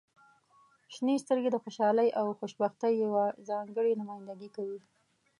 • شنې سترګې د خوشحالۍ او خوشبختۍ یوه ځانګړې نمایندګي کوي.